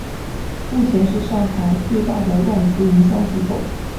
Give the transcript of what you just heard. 目前是上海最大的外资营销机构。